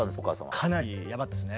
かなりヤバかったですね